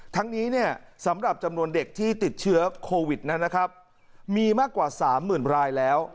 ทั้งนี้เนี่ยสำหรับจำนวนเด็กที่ติดเชื้อโควิดนั้นนะครับมีมากกว่า๓๐๐๐รายแล้ว